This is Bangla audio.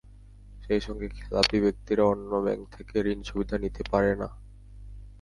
সেই সঙ্গে খেলাপি ব্যক্তিরা অন্য ব্যাংক থেকে ঋণসুবিধা নিতে পারে না।